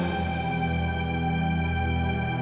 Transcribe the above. gak ada apa apa